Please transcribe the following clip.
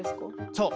そう。